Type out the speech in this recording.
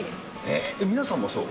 皆さんもそう？